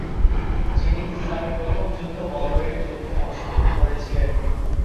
যিনি ইসলামের প্রথম যুদ্ধ বদরের যুদ্ধে অংশগ্রহণ করেছিলেন।